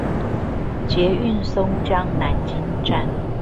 捷運松江南京站